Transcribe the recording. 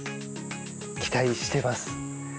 期待しています。